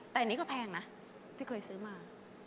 แต่อันนี้ก็แพงนะที่เคยซื้อมา